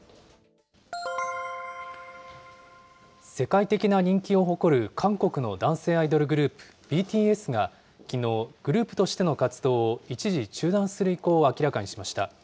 世界的な人気を誇る韓国の男性アイドルグループ、ＢＴＳがきのう、グループとしての活動を一時中断する意向を明らかにしました。